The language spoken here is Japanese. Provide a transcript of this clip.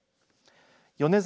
米澤